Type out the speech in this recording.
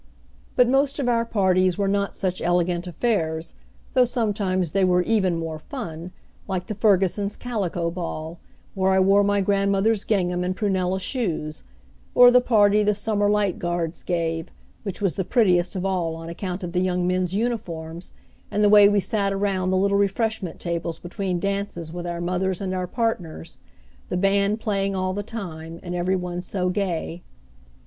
But most of our parties were not such elegant affairs, though sometimes they were even more fun, like the Fergusons' calico ball, where I wore my grandmother's gingham, and prunella shoes; or the party the Sumner Light Guards gave, which was the prettiest of all on account of the young men's uniforms, and the way we sat around the little refreshment tables between dances with our mothers and our partners, the band playing all the time, and every one so gay.